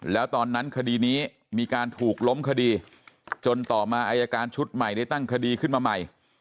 แล้วตอนนั้นคดีนี้มีการถูกล้มคดีจนต่อมาอายการชุดใหม่ได้ตั้งคดีขึ้นมาใหม่